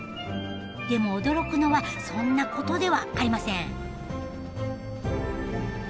でも驚くのはそんなことではありません。